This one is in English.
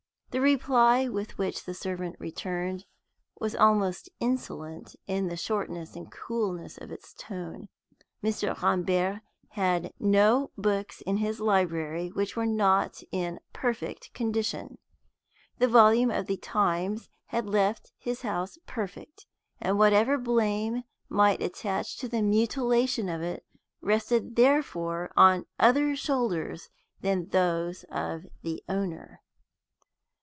The reply with which the servant returned was almost insolent in the shortness and coolness of its tone. Mr. Rambert had no books in his library which were not in perfect condition. The volume of the Times had left his house perfect, and whatever blame might attach to the mutilation of it rested therefore on other shoulders than those of the owner.